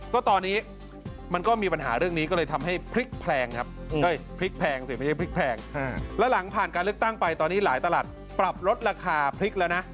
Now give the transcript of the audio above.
แล้วตอนนี้มันก็มีปัญหาเรื่องนี้ก็เลยทำให้พริกแพรงครับคือพาร์ตรัสการเลือกตั้งไปหลายตลาดปรับรสค่าพริกแล้วนะ